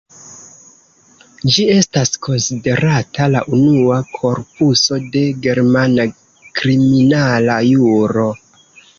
Ĝi estas konsiderata la unua korpuso de germana kriminala juro.